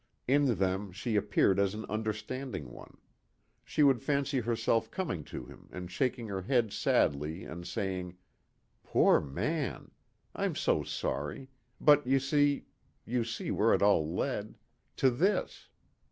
In them she appeared as an understanding one. She would fancy herself coming to him and shaking her head sadly and saying, "Poor man. I'm so sorry. But you see ... you see where it all led? to this."